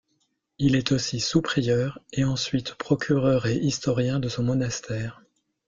Il est aussi sous-prieur et ensuite procureur et historien de son monastère.